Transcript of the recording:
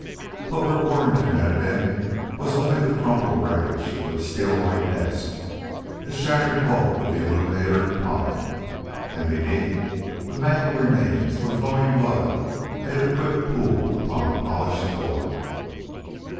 But where Warrington had been was only the crumpled wreckage of a steeloid desk, the shattered bulk of the illuminator upon it, and, beneath, the mangled remains where flowing blood made a quick pool upon the polished floor.